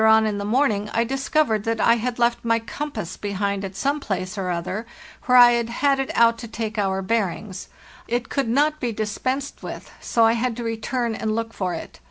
Later on in the morning I discovered that I had left my compass behind at some place or other where I had had it out to take our bearings. It could not be dispensed with, so I had to return and look for it.